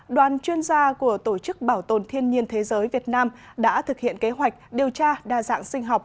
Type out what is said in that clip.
đoàn chuyên gia của tổ chức bảo tồn thiên nhiên thế giới việt nam đã thực hiện kế hoạch điều tra đa dạng sinh học